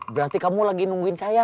berarti kamu lagi nungguin saya